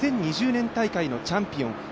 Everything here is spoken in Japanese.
２０２０年大会のチャンピオン。